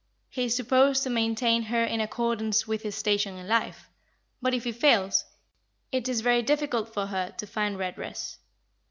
He is supposed to maintain her in accordance with his station in life, but if he fails, it is very difficult for her to find redress.